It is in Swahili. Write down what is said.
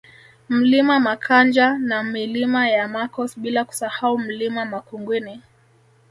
Mlima Makanja na Milima ya Makos bila kusahau Mlima Makungwini